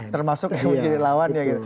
termasuk yang menjadi lawannya gitu